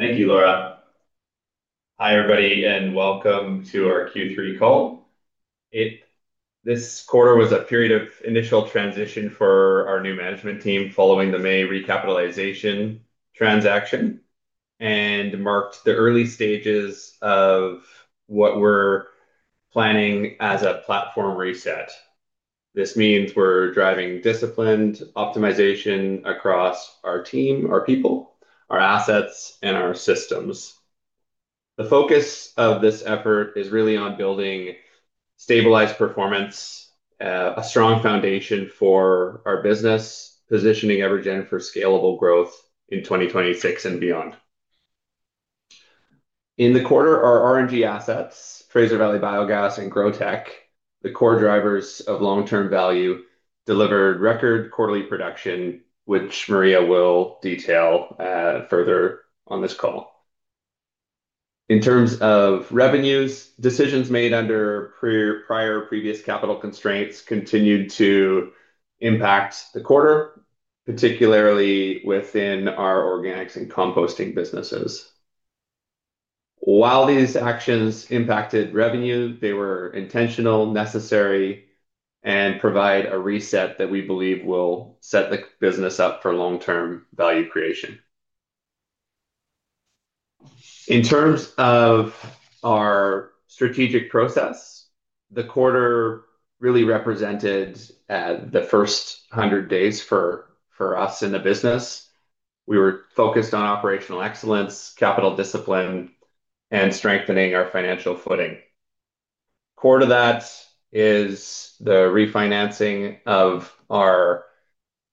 Thank you, Laura. Hi, everybody, and welcome to our Q3 call. This quarter was a period of initial transition for our new management team following the May recapitalization transaction and marked the early stages of what we're planning as a platform reset. This means we're driving disciplined optimization across our team, our people, our assets, and our systems. The focus of this effort is really on building stabilized performance, a strong foundation for our business, positioning EverGen for scalable growth in 2026 and beyond. In the quarter, our RNG assets, Fraser Valley Biogas and GrowTEC, the core drivers of long-term value, delivered record quarterly production, which Maria will detail further on this call. In terms of revenues, decisions made under prior previous capital constraints continued to impact the quarter, particularly within our organics and composting businesses. While these actions impacted revenue, they were intentional, necessary, and provide a reset that we believe will set the business up for long-term value creation. In terms of our strategic process, the quarter really represented the first 100 days for us in the business. We were focused on operational excellence, capital discipline, and strengthening our financial footing. Core to that is the refinancing of our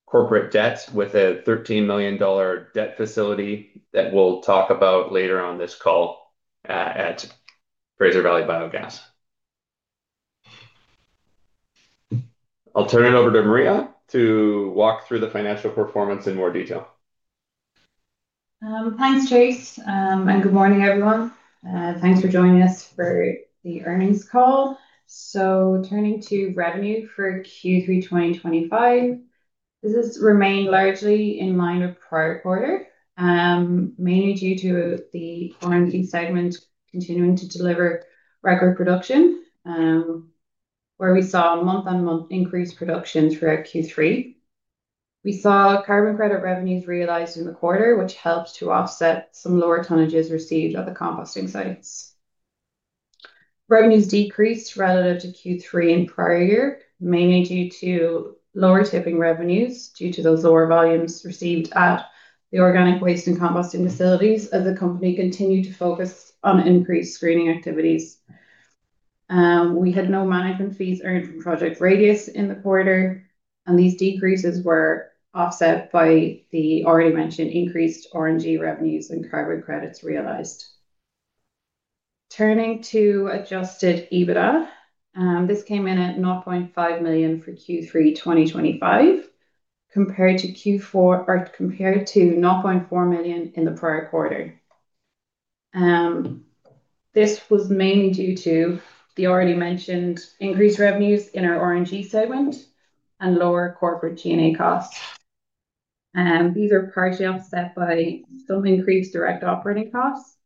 corporate debt with a 13 million dollar debt facility that we'll talk about later on this call at Fraser Valley Biogas. I'll turn it over to Maria to walk through the financial performance in more detail. Thanks, Chase. Good morning, everyone. Thanks for joining us for the earnings call. Turning to revenue for Q3 2025, this has remained largely in line with the prior quarter, mainly due to the RNG segment continuing to deliver record production, where we saw month-on-month increased productions throughout Q3. We saw carbon credit revenues realized in the quarter, which helped to offset some lower tonnages received at the composting sites. Revenues decreased relative to Q3 in the prior year, mainly due to lower tip fee revenues due to those lower volumes received at the organic waste and composting facilities as the company continued to focus on increased screening activities. We had no management fees earned from Project Radius in the quarter, and these decreases were offset by the already mentioned increased RNG revenues and carbon credits realized. Turning to adjusted EBITDA, this came in at 0.5 million for Q3 2025, compared to 0.4 million in the prior quarter. This was mainly due to the already mentioned increased revenues in our RNG segment and lower corporate G&A costs. These are partially offset by some increased direct operating costs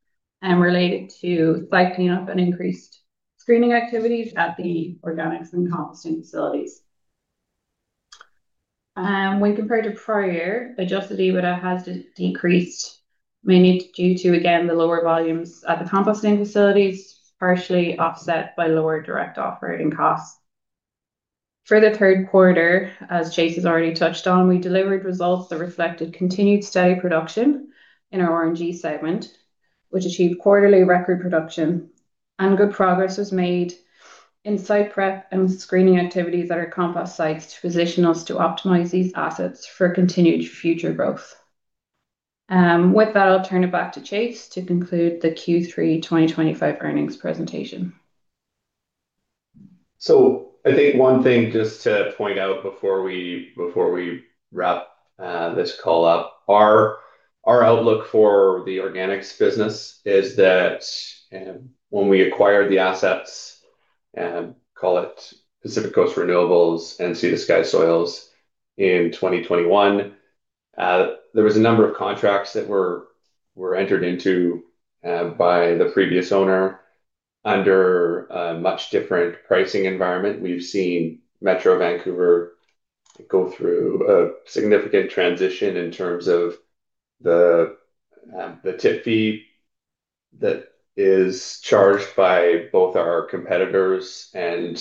related to cycling up and increased screening activities at the organics and composting facilities. When compared to prior year, adjusted EBITDA has decreased, mainly due to, again, the lower volumes at the composting facilities, partially offset by lower direct operating costs. For the third quarter, as Chase has already touched on, we delivered results that reflected continued steady production in our RNG segment, which achieved quarterly record production, and good progress was made in site prep and screening activities at our compost sites to position us to optimize these assets for continued future growth. With that, I'll turn it back to Chase to conclude the Q3 2025 Earnings Presentation. I think one thing just to point out before we wrap this call up, our outlook for the organics business is that when we acquired the assets, call it Pacific Coast Renewables and Sea to Sky Soils, in 2021, there was a number of contracts that were entered into by the previous owner under a much different pricing environment. We've seen Metro Vancouver go through a significant transition in terms of the tip fee that is charged by both our competitors and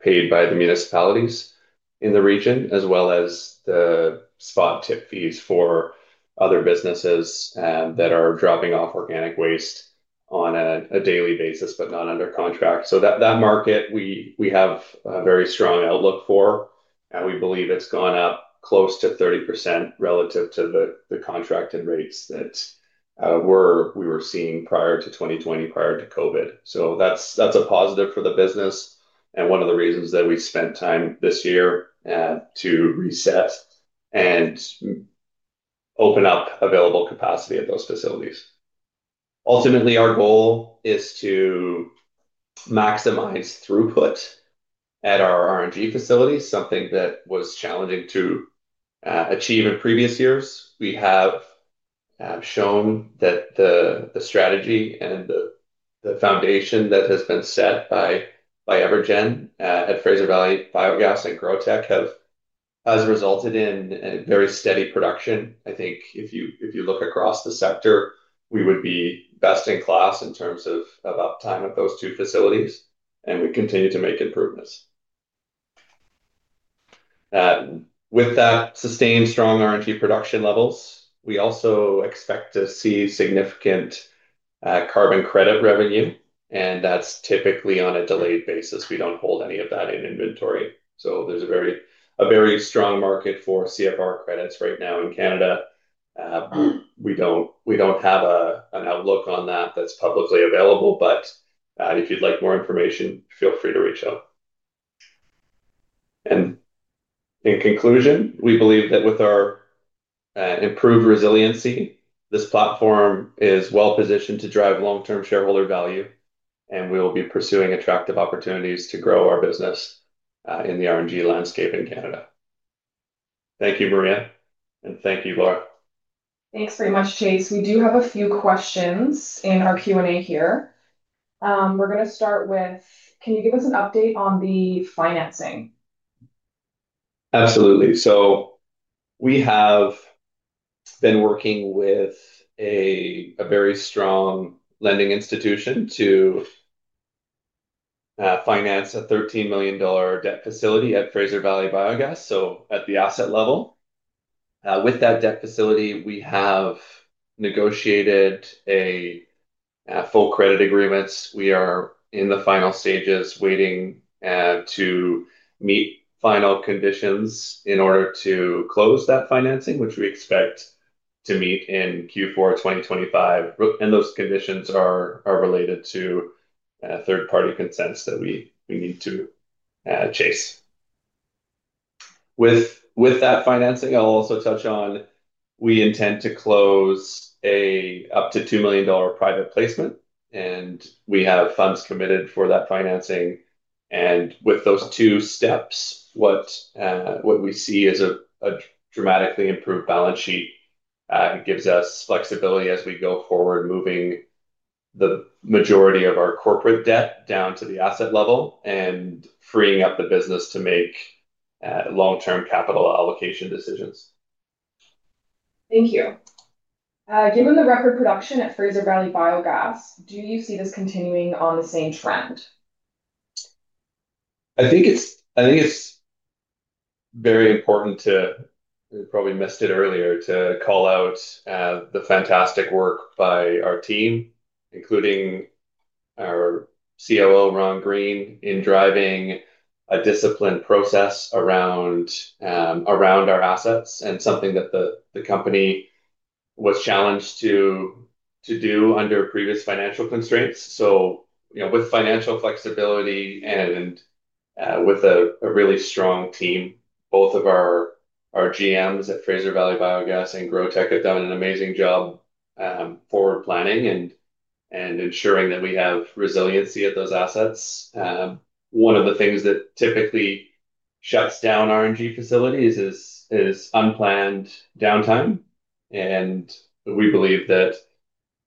paid by the municipalities in the region, as well as the spot tip fees for other businesses that are dropping off organic waste on a daily basis, but not under contract. That market, we have a very strong outlook for, and we believe it's gone up close to 30% relative to the contracted rates that we were seeing prior to 2020, prior to COVID. That is a positive for the business and one of the reasons that we spent time this year to reset and open up available capacity at those facilities. Ultimately, our goal is to maximize throughput at our RNG facilities, something that was challenging to achieve in previous years. We have shown that the strategy and the foundation that has been set by EverGen at Fraser Valley Biogas and GrowTEC has resulted in very steady production. I think if you look across the sector, we would be best in class in terms of uptime of those two facilities, and we continue to make improvements. With that sustained strong RNG production levels, we also expect to see significant carbon credit revenue, and that is typically on a delayed basis. We do not hold any of that in inventory. There is a very strong market for CFR credits right now in Canada. We don't have an outlook on that that's publicly available, but if you'd like more information, feel free to reach out. In conclusion, we believe that with our improved resiliency, this platform is well positioned to drive long-term shareholder value, and we will be pursuing attractive opportunities to grow our business in the RNG landscape in Canada. Thank you, Maria, and thank you, Laura. Thanks very much, Chase. We do have a few questions in our Q and A here. We're going to start with, can you give us an update on the financing? Absolutely. We have been working with a very strong lending institution to finance a 13 million dollar debt facility at Fraser Valley Biogas, at the asset level. With that debt facility, we have negotiated full credit agreements. We are in the final stages waiting to meet final conditions in order to close that financing, which we expect to meet in Q4 2025. Those conditions are related to third-party consents that we need to chase. With that financing, I'll also touch on we intend to close an up to 2 million dollar private placement, and we have funds committed for that financing. With those two steps, what we see is a dramatically improved balance sheet. It gives us flexibility as we go forward, moving the majority of our corporate debt down to the asset level and freeing up the business to make long-term capital allocation decisions. Thank you. Given the record production at Fraser Valley Biogas, do you see this continuing on the same trend? I think it's very important to—we probably missed it earlier—to call out the fantastic work by our team, including our COO, Ron Green, in driving a disciplined process around our assets and something that the company was challenged to do under previous financial constraints. With financial flexibility and with a really strong team, both of our GMs at Fraser Valley Biogas and GrowTEC have done an amazing job forward planning and ensuring that we have resiliency at those assets. One of the things that typically shuts down RNG facilities is unplanned downtime. We believe that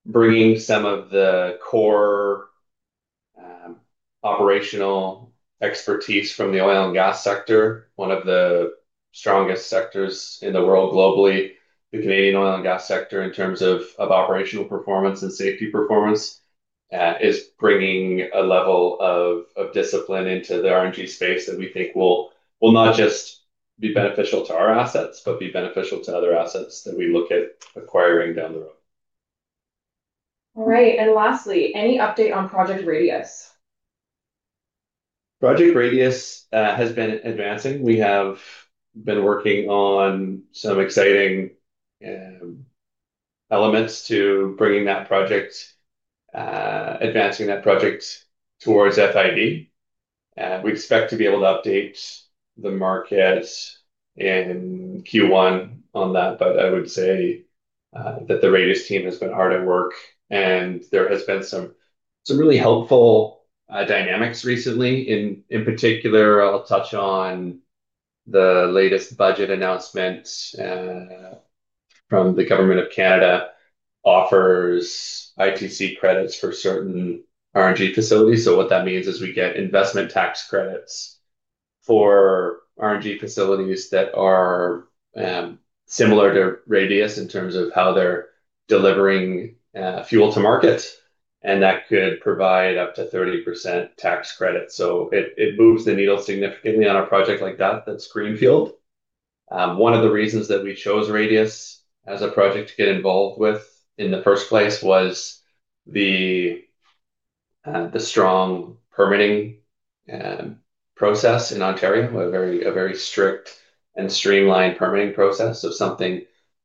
bringing some of the core operational expertise from the oil and gas sector, one of the strongest sectors in the world globally, the Canadian oil and gas sector in terms of operational performance and safety performance, is bringing a level of discipline into the RNG space that we think will not just be beneficial to our assets, but be beneficial to other assets that we look at acquiring down the road. All right. Lastly, any update on Project Radius? Project Radius has been advancing. We have been working on some exciting elements to bringing that project, advancing that project towards FID. We expect to be able to update the market in Q1 on that, but I would say that the Radius team has been hard at work, and there has been some really helpful dynamics recently. In particular, I'll touch on the latest budget announcement from the Government of Canada offers ITC credits for certain RNG facilities. What that means is we get investment tax credits for RNG facilities that are similar to Radius in terms of how they're delivering fuel to market, and that could provide up to 30% tax credit. It moves the needle significantly on a project like that that's greenfield. One of the reasons that we chose Radius as a project to get involved with in the first place was the strong permitting process in Ontario, a very strict and streamlined permitting process. Something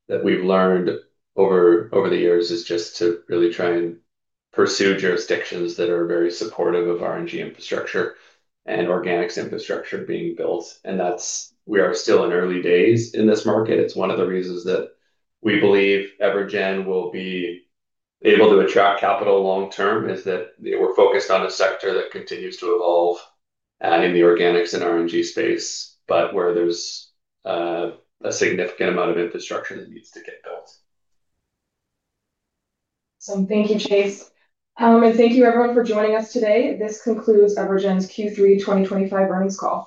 that we've learned over the years is just to really try and pursue jurisdictions that are very supportive of RNG infrastructure and organics infrastructure being built. We are still in early days in this market. It's one of the reasons that we believe EverGen will be able to attract capital long-term is that we're focused on a sector that continues to evolve in the organics and RNG space, but where there's a significant amount of infrastructure that needs to get built. Awesome. Thank you, Chase. Thank you, everyone, for joining us today. This concludes EverGen's Q3 2025 Earnings Call.